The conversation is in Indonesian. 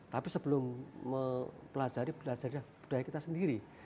tapi sebelum mempelajari belajar budaya kita sendiri